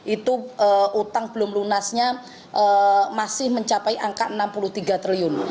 itu utang belum lunasnya masih mencapai angka enam puluh tiga triliun